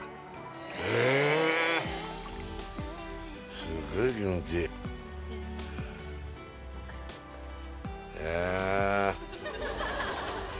へえすごい気持ちいいええ